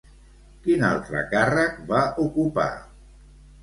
Quin altre càrrec va ocupar?